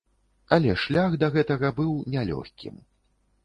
Але шлях да гэтага быў нялёгкім.